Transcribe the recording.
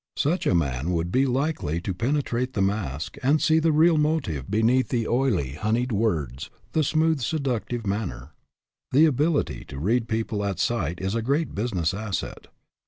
Such a man would be likely to penetrate the mask and see the real motive beneath the oily, honeyed words, the smooth seductive manner. The ability to read people at sight is a great business asset.